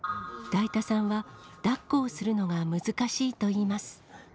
だいたさんは、だっこをするのが難しいといいます。